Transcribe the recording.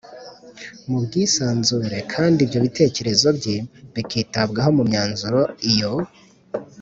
mu bwisanzure kandi ibyo bitekerezo bye bikitabwaho mu myanzuro iyo